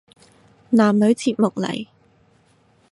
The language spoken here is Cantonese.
男女節目嚟